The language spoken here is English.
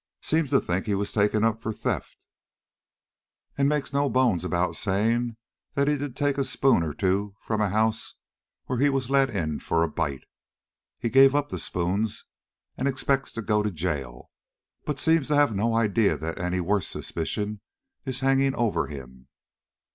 Seems to think he was taken up for theft, and makes no bones of saying that he did take a spoon or two from a house where he was let in for a bite. He gave up the spoons and expects to go to jail, but seems to have no idea that any worse suspicion is hanging over him.